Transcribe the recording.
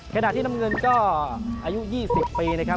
ขณะที่น้ำเงินก็อายุ๒๐ปีนะครับ